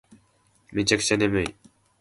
めちゃくちゃ眠い